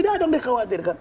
tidak ada yang dikhawatirkan